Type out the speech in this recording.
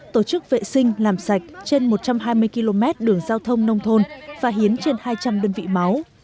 tổ chức vệ sinh làm sạch trên một trăm hai mươi km đường giao thông nông thôn và hiến trên hai trăm linh đơn vị máu